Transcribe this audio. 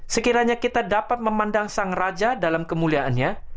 sekiranya kita dapat memandang sang raja dalam kemuliaannya